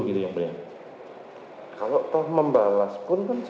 kalau membalas pun